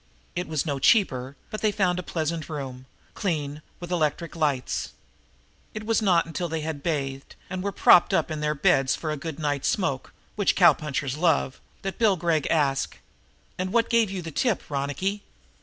It was no cheaper, but they found a pleasant room, clean and with electric lights. It was not until they had bathed and were propped up in their beds for a good night smoke, which cow punchers love, that Bill Gregg asked: "And what gave you the tip, Ronicky?"